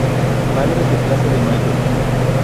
Madres de Plaza de Mayo.